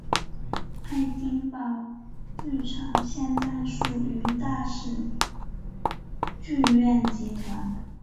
爱丁堡剧场现在属于大使剧院集团。